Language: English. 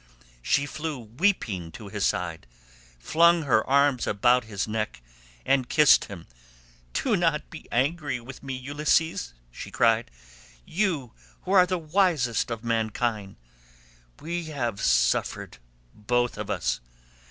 She flew weeping to his side, flung her arms about his neck, and kissed him. "Do not be angry with me Ulysses," she cried, "you, who are the wisest of mankind. We have suffered, both of us.